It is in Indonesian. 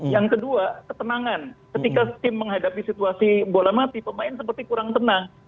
yang kedua ketenangan ketika tim menghadapi situasi bola mati pemain seperti kurang tenang